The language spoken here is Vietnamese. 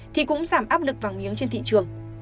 thì cũng giảm áp lực vàng miếng trên thị trường